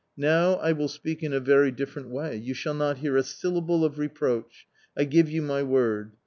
Now I will speak in a very different way ; you shall not hear a syllable of reproach, I give you my word.